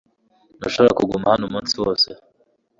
Ntushobora kuguma hano umunsi wose .